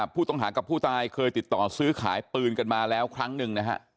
ผู้ต้องหากับผู้ตายเคยติดต่อซื้อขายปืนกันมาแล้วครั้งหนึ่งนะฮะ